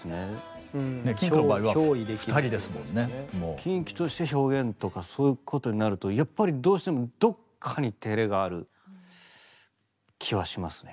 ＫｉｎＫｉとして表現とかそういうことになるとやっぱりどうしてもどっかに照れがある気はしますね。